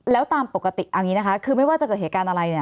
แล้วตามปกติคือไม่ว่าจะเกิดเหตุการณ์อะไร